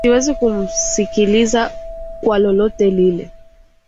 Siwezi kumsikiliza kwa lolote lile.